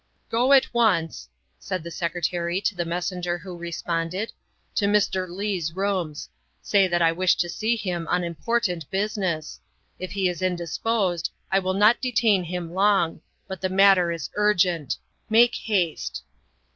"Go at once," said the Secretary to the messenger who responded, " to Mr. Leigh's rooms. Say that I wish to see him on important business. If he is indis posed, I will not detain him long, but the matter is urgent. Make haste!"